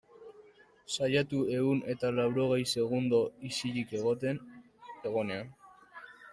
Saiatu ehun eta laurogei segundo isilik egoten, egonean.